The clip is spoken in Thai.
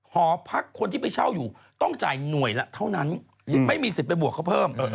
หอพักคนที่ไปเช่าอยู่ต้องจ่ายหน่วยละเท่านั้นไม่มีสิทธิ์ไปบวกเขาเพิ่ม